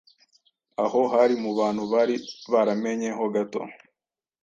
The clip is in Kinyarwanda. Aho hari mu bantu bari baramenye ho gato